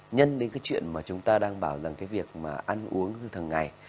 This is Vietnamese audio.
nhân đến cái chuyện mà chúng ta đang bảo rằng cái việc mà ăn uống hằng ngày